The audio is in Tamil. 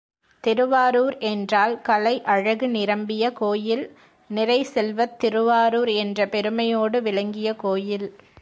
திருவாரூர் என்றால் கலை அழகு நிரம்பிய கோயில் நிறை செல்வத்திருவாரூர் என்ற பெருமையோடு விளங்கிய கோயில்.